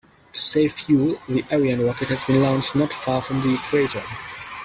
To save fuel, the Ariane rocket has been launched not far from the equator.